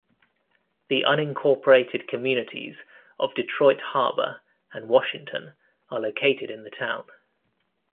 The unincorporated communities of Detroit Harbor and Washington are located in the town.